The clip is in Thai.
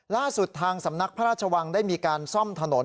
ล่าสุดทางสำนักพระราชวังได้มีการซ่อมถนน